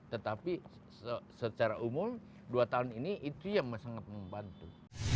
tetapi secara umum dua tahun ini itu yang sangat membantu